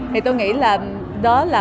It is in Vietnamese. thì tôi nghĩ là đó là